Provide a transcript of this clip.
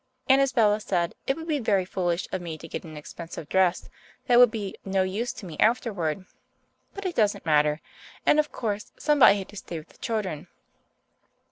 And, as Bella said, it would be very foolish of me to get an expensive dress that would be no use to me afterward. But it doesn't matter. And, of course, somebody had to stay with the children."